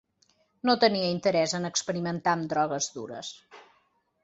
No tenia interès en experimentar amb drogues dures.